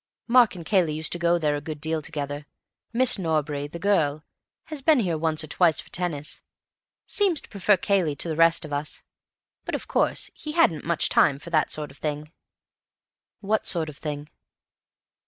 Mark and Cayley used to go there a good deal together. Miss Norbury—the girl—has been here once or twice for tennis; seemed to prefer Cayley to the rest of us. But of course he hadn't much time for that sort of thing." "What sort of thing?"